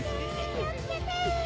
気を付けて。